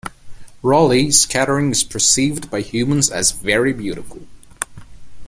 Raleigh scattering is perceived by humans as very beautiful.